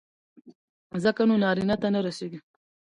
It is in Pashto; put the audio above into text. ځکه نو نارينه ته نه رسېږي.